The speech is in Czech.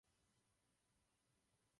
Ty byly podporovány Adolfem Hitlerem.